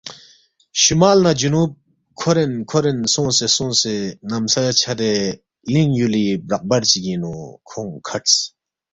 شمال نہ جنوب کھورین کھورین سونگسے سونگسے نمزہ چھدے لِنگ یُولی برق بر چِگِنگ نُو کھونگ کھڈس